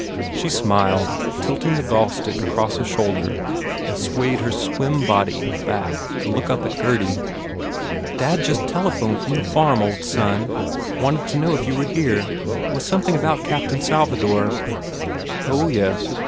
She smiled, tilting the golfstick across a shoulder, 203 THE FAIR REWARDS and swayed her slim body back to look up at Gurdy. "Dad just telephoned from the farm, old son. Wanted to know if you were here. It was some thing about Captain Salvador ." "Oh, yes.